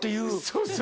そうです。